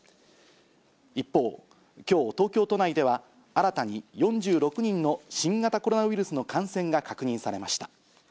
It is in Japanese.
一方、きょう、東京都内では新たに４６人の新型コロナウイルスの感染が確認されました。